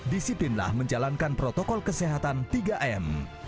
disiplinlah menjalankan protokol kesehatan tiga m